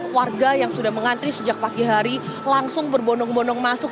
sehingga yang sudah mengantri sejak pagi hari langsung berbonong bonong masuk